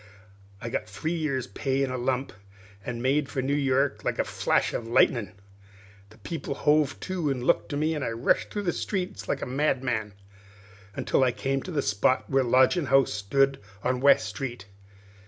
I got my three years' pay in a lump, an' made for New York like a flash of lightnin'. The people hove to and looked at me, as I rushed through the streets like a madman, until I came to the spot where the lodgin' house stood on West Street.